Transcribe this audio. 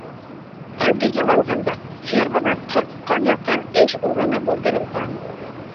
Ә дөйөм алғанда, фермала ҡырҡҡа яҡын эш урыны булдырылған.